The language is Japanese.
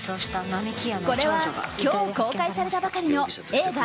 これは今日公開されたばかりの映画